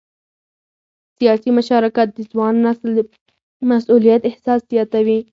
سیاسي مشارکت د ځوان نسل د مسؤلیت احساس زیاتوي